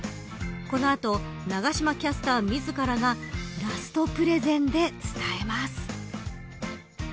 この後、永島キャスター自らがラストプレゼンで伝えます。